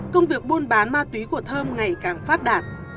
công việc buôn bán ma túy của thơm ngày càng phát đạt